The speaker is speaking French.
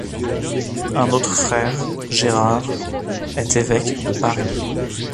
Un autre frère, Gérard, est évêque de Paris.